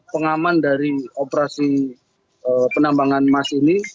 pengaman dari operasi penambangan emas ini